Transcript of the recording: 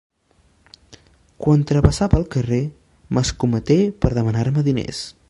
Quan travessava el carrer m'escometé per demanar-me diners.